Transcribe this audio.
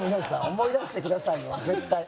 思い出してくださいよ絶対。